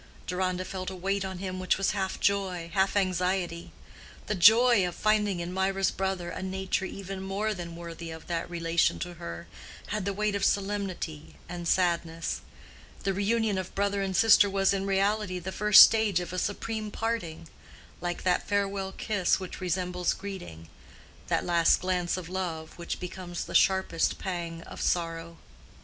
Deronda felt a weight on him which was half joy, half anxiety. The joy of finding in Mirah's brother a nature even more than worthy of that relation to her, had the weight of solemnity and sadness; the reunion of brother and sister was in reality the first stage of a supreme parting—like that farewell kiss which resembles greeting, that last glance of love which becomes the sharpest pang of sorrow.